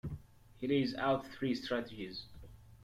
He lays out three strategies.